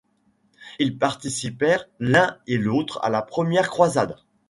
Ils participèrent l'un et l'autre à la première croisade.